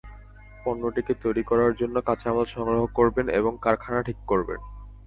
পণ্যটি তৈরি করার জন্য তিনি কাঁচামাল সংগ্রহ করবেন এবং কারখানা ঠিক করবেন।